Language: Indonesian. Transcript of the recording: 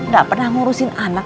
gak pernah ngurusin anak